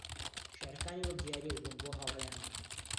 شیعرەکانی وەک دیارییەک بوون بۆ هاوڕێیانی